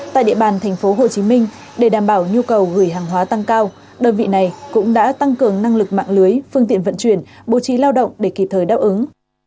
tại địa bàn tp hcm để đảm bảo nhu cầu gửi hàng hóa tăng cao đơn vị này cũng đã tăng cường năng lực mạng lưới phương tiện vận chuyển bố trí lao động để kịp thời đáp ứng